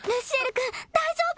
君大丈夫！？